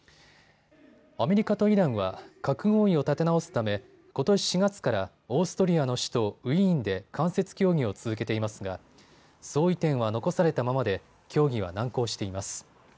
アメリカとイランは核合意を立て直すためことし４月からオーストリアの首都ウィーンで間接協議を続けていますが相違点は残されたままで協議は難航しています。